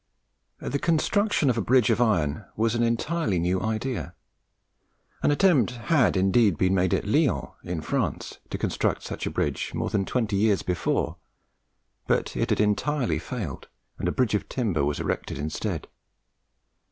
The construction of a bridge of iron was an entirely new idea. An attempt had indeed been made at Lyons, in France, to construct such a bridge more than twenty years before; but it had entirely failed, and a bridge of timber was erected instead.